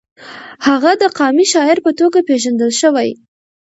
هغه د قامي شاعر په توګه پېژندل شوی.